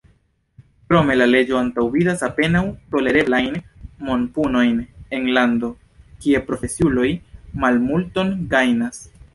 Krome la leĝo antaŭvidas apenaŭ tolereblajn monpunojn en lando, kie profesiuloj malmulton gajnas.